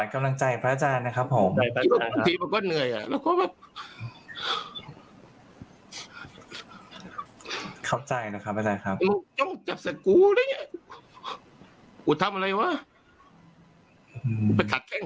ทำให้คนมีความสุขอ่ะกลัวโยมไม่มีที่นั่ง